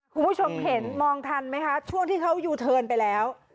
คุณผู้ชมเห็นมองทันไหมคะช่วงที่เขายูเทิร์นไปแล้ว